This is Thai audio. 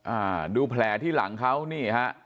อ่าดูแผลที่หลังเขานี่ฮะ